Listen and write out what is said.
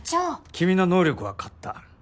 君の能力は買った。